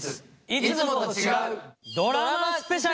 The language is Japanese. いつもと違う。